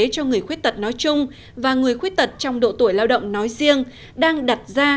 cho người khuyết tật nói chung và người khuyết tật trong độ tuổi lao động nói riêng đang đặt ra